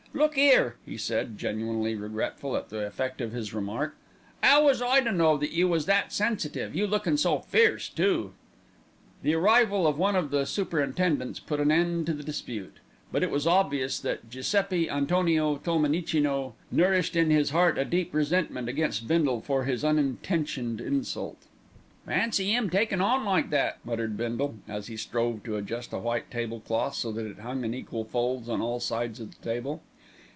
"Look 'ere," he said, genuinely regretful at the effect of his remark, "'ow was I to know that you was that sensitive, you lookin' so fierce too." The arrival of one of the superintendents put an end to the dispute; but it was obvious that Giuseppi Antonio Tolmenicino nourished in his heart a deep resentment against Bindle for his unintentioned insult. "Fancy 'im takin' on like that," muttered Bindle, as he strove to adjust a white tablecloth so that it hung in equal folds on all sides of the table.